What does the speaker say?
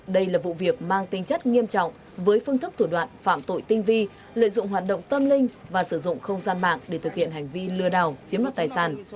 đây là vụ việc mang tinh chất nghiêm trọng với phương thức thủ đoạn phạm tội tinh vi lợi dụng hoạt động tâm linh và sử dụng không gian mạng để thực hiện hành vi lừa đảo chiếm đoạt tài sản